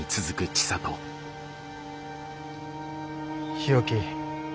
日置